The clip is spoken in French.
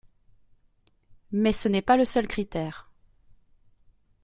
Mais ce n'est pas le seul critère.